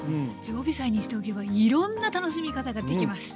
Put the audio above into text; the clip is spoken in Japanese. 常備菜にしておけばいろんな楽しみ方ができます。